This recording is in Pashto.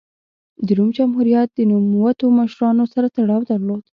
د روم جمهوریت د نوموتو مشرانو سره تړاو درلود.